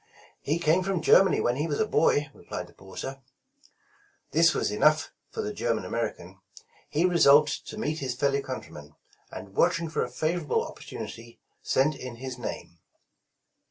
"He came from Germany when he was a boy," re plied the porter. This was enough for the German American. He re solved to meet his fellow countryman, and watching 129 The Original John Jacob Astor for a favorable opportunity, sent in his name.